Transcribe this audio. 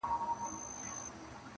چي غمی یې وړﺉ نه را معلومېږي,